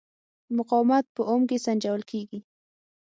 مقاومت په اوم کې سنجول کېږي.